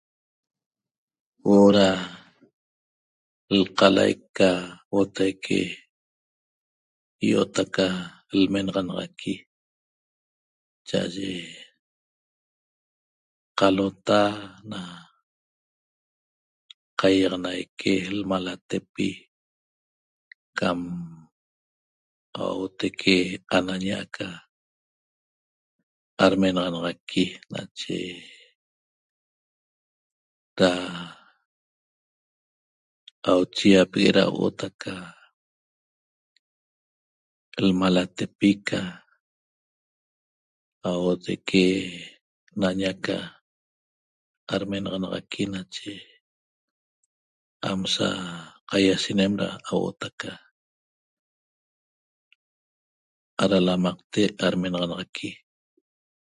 Huo'o da lqalaic ca huotaique i'ot aca lmenaxanaxaqui cha'aye qalota na qaiaxanaique lmalatepi cam auauotaique anaña aca admenaxanaxaqui nache da auchiýapegue' da auot aca lmalatepi ca auauotaique naña ca admenaxanaxaqui nache am sa qaiashenem da auot aca adalamaqte admenaxanaxaqui